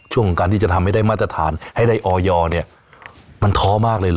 ช่วงของการที่จะทำให้ได้มาตรฐานให้ได้ออยเนี่ยมันท้อมากเลยเหรอ